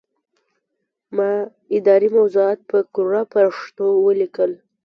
ما اداري موضوعات په کره پښتو ولیکل.